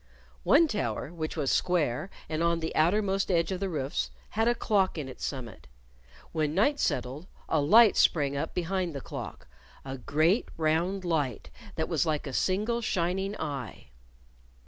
One tower, which was square, and on the outer most edge of the roofs, had a clock in its summit. When night settled, a light sprang up behind the clock a great, round light that was like a single shining eye.